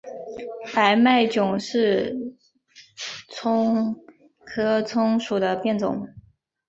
白脉韭是葱科葱属的变种。